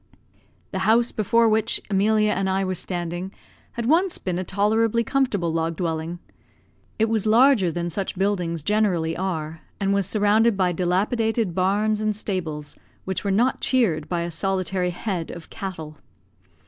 The house before which Emilia and I were standing had once been a tolerably comfortable log dwelling. It was larger than such buildings generally are, and was surrounded by dilapidated barns and stables, which were not cheered by a solitary head of cattle.